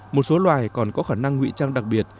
một số loài còn có khả năng nguy trang đặc biệt